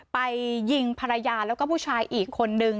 ไปยิงภรรยาแล้วก็ผู้ชายอีกคนนึง